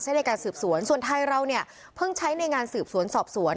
ในการสืบสวนส่วนไทยเราเนี่ยเพิ่งใช้ในงานสืบสวนสอบสวน